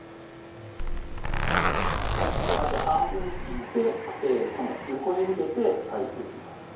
縦半分に切って今度は横に向けて切っていきます